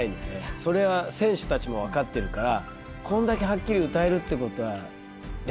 それは選手たちも分かってるからこんだけはっきり歌えるってことは練習してるなっていう。